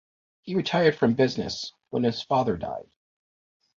He retired from business when his father died.